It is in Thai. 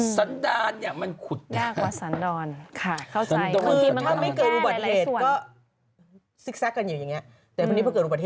สันดานมันขุด